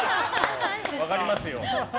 分かりますよ。